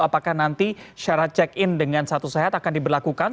apakah nanti syarat check in dengan satu sehat akan diberlakukan